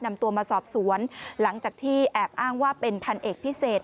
นำตัวมาสอบสวนหลังจากที่แอบอ้างว่าเป็นพันเอกพิเศษ